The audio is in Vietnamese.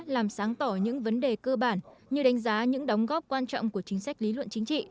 làm sáng tỏ những vấn đề cơ bản như đánh giá những đóng góp quan trọng của chính sách lý luận chính trị